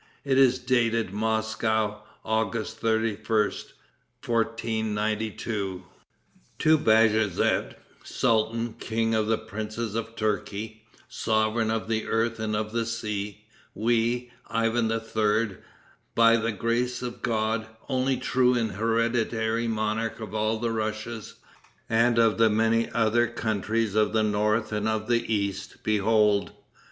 It is dated Moscow, August 31st, 1492. "To Bajazet, Sultan, King of the princes of Turkey, Sovereign of the earth and of the sea, we, Ivan III., by the grace of God, only true and hereditary monarch of all the Russias, and of many other countries of the North and of the East; behold!